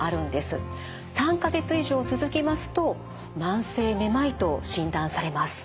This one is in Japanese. ３か月以上続きますと慢性めまいと診断されます。